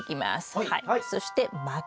はい。